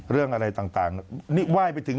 เรื่องอะไรต่าง